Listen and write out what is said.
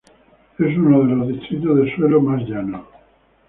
Es uno de los distritos de suelo más llano.